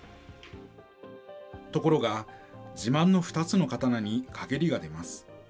ところが、自慢の２つの刀に陰りが出ます。